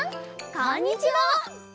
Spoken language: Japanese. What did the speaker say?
こんにちは！